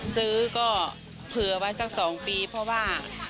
ซื้อก็เผื่อไว้สัก๒ปีเพราะว่า